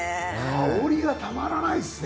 香りがたまらないですね。